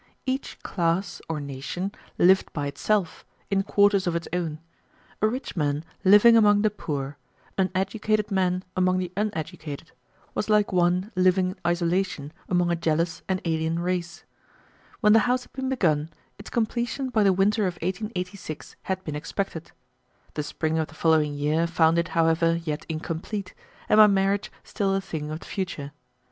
Each class or nation lived by itself, in quarters of its own. A rich man living among the poor, an educated man among the uneducated, was like one living in isolation among a jealous and alien race. When the house had been begun, its completion by the winter of 1886 had been expected. The spring of the following year found it, however, yet incomplete, and my marriage still a thing of the future.